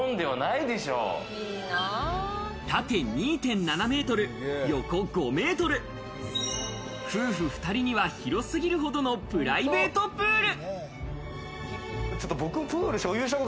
縦２．７ｍ、横５ｍ、夫婦２人には広すぎるほどのプライベートプール。